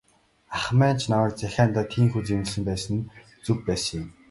Ах маань ч намайг захиандаа тийнхүү зэмлэсэн байсан нь зөв байсан юм.